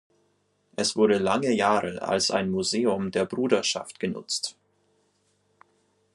Es wurde lange Jahre als ein Museum der Bruderschaft genutzt.